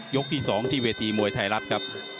ที่๒ที่เวทีมวยไทยรัฐครับ